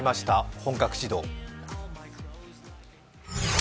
本格始動。